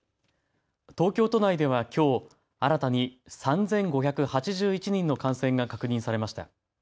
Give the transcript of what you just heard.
東京都内ではきょう新たに３５８１人の感染が確認されました。